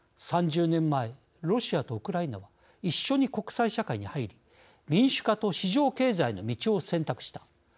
３０年前ロシアとウクライナは一緒に国際社会に入り民主化と市場経済の道を選択した。